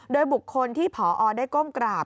โดยบุคคลที่ผอได้ก้มกราบ